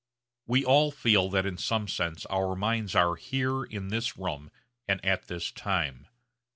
We all feel that in some sense our minds are here in this room and at this time.